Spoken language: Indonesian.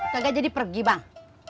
kagak jadi pergi bang